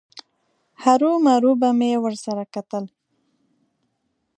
هرومرو به مې ورسره کتل.